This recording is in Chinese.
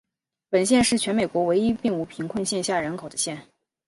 本县是全美国唯一并无贫穷线下人口的县。